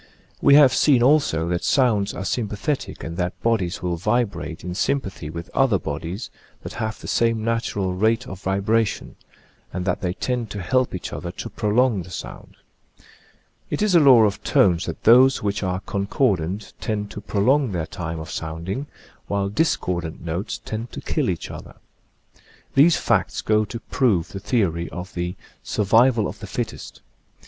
We have seen also that sounds are sympathetic and that bodies will vibrate in sympathy with other bodies that have the same natural rate of vibration, and that they tend to help each other to prolong the sound. It is a law of tones that those which are con cordant tend to prolong their time of sounding, while discordant notes tend to kill each other. These facts go to prove the theory of the " survival of the fittest."